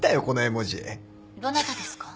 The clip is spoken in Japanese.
どなたですか？